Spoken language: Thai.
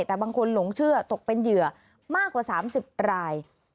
แต่บางคนหลงเชื่อตกเป็นเหยื่อมากกว่า๓๐ราย